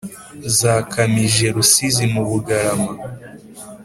zakamije rusizi, mu bugarama